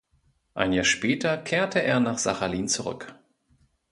Ein Jahr später kehrte er nach Sachalin zurück.